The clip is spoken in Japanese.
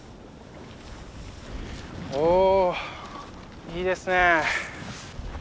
おいいですね！